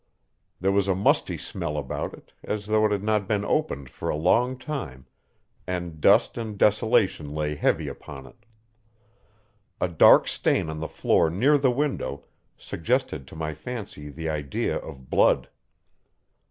There was a musty smell about it, as though it had not been opened for a long time, and dust and desolation lay heavy upon it. A dark stain on the floor near the window suggested to my fancy the idea of blood.